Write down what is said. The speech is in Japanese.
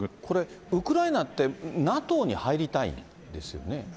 これ、ウクライナってＮＡＴＯに入りたいんですよね？